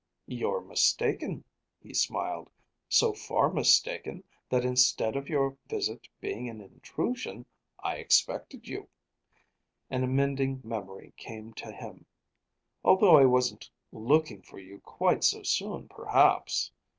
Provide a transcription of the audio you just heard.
"You're mistaken," he smiled; "so far mistaken, that instead of your visit being an intrusion, I expected you" an amending memory came to him "although I wasn't looking for you quite so soon, perhaps."